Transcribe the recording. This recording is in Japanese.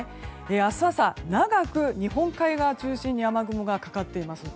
明日朝、長く日本海側を中心に雨雲がかかっています。